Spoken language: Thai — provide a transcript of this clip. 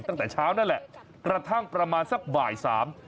ตั้งแต่เช้านั่นแหละกระทั่งประมาณสักบ่ายสาม